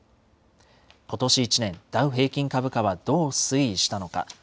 ことし１年、ダウ平均株価はどう推移したのか。